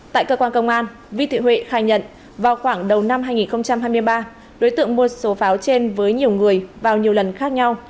tại cơ quan công an vi thị huệ khai nhận vào khoảng đầu năm hai nghìn hai mươi ba đối tượng mua số pháo trên với nhiều người vào nhiều lần khác nhau